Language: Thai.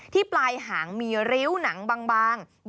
ปลายหางมีริ้วหนังบาง